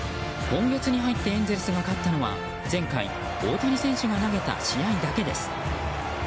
今月に入ってエンゼルスが勝ったのは前回、大谷選手が投げた試合だけです。